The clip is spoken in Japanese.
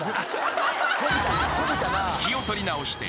［気を取り直して。